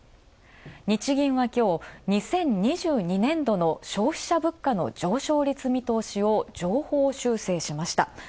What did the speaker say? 日銀はきょう２０２２年度の消費者物価の上昇率見通しを上方修正しました。